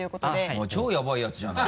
もう超ヤバイやつじゃない。